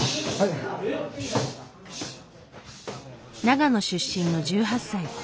長野出身の１８歳。